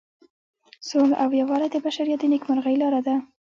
سوله او یووالی د بشریت د نیکمرغۍ لاره ده.